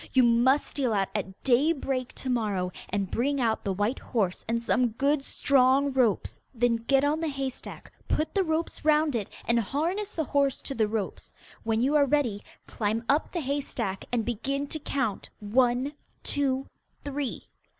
You must steal out at daybreak to morrow and bring out the white horse and some good strong ropes. Then get on the hay stack, put the ropes round it, and harness the horse to the ropes. When you are ready, climb up the hay stack and begin to count one, two, three.